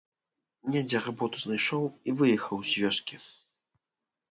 Недзе работу знайшоў і выехаў з вёскі.